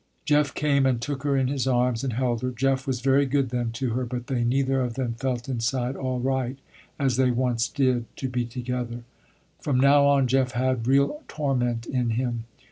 Jeff came and took her in his arms, and held her. Jeff was very good then to her, but they neither of them felt inside all right, as they once did, to be together. From now on, Jeff had real torment in him.